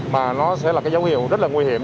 mà nó sẽ là cái dấu hiệu rất là nguy hiểm